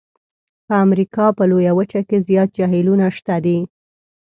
په امریکا په لویه وچه کې زیات جهیلونه شته دي.